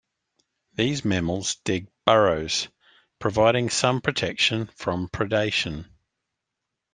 These mammals dig burrows, providing some protection from predation.